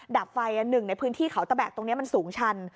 ดับไฟหนึ่งในพื้นที่เขาตะแกกตรงนี้มันสูงชัน